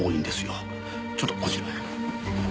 ちょっとこちらへ。